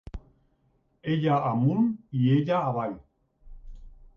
Ella amunt i ella avall.